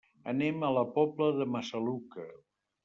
Anem a la Pobla de Massaluca.